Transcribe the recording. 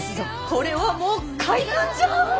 これはもう怪談じゃあ！